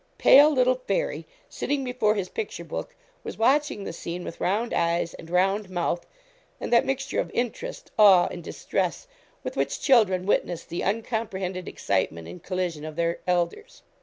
Pale little Fairy, sitting before his 'picture book,' was watching the scene with round eyes and round mouth, and that mixture of interest, awe, and distress, with which children witness the uncomprehended excitement and collision of their elders.